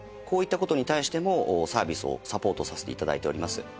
こういった事に対してもサービスをサポートさせて頂いております。